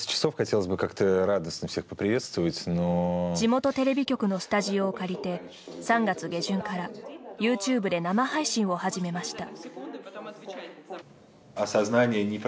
地元テレビ局のスタジオを借りて３月下旬からＹｏｕＴｕｂｅで生配信を始めました。